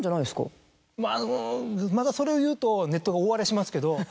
うんまたそれを言うとネットが大荒れしますけど。